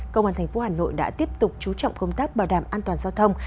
công an tp hà nội đã tiếp tục chú trọng công tác bảo đảm an toàn giao thông